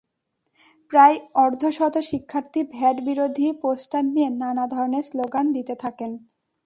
প্রায় অর্ধশত শিক্ষার্থী ভ্যাট বিরোধী পোস্টার নিয়ে নানা ধরনের স্লোগান দিতে থাকেন।